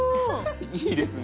いいですね。